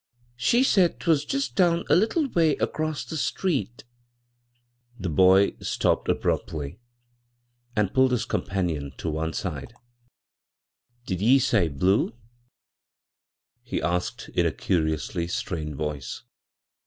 "She said 'twas just down a !tttle way across the street" The boy stopped abruptly, and pulled his con^ianioB to one side. b, Google CROSS CURRENTS " Did ye say ' blue' ?" he asked in a curi ously strained voice.